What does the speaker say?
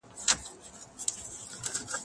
ته ولي ليکنې کوې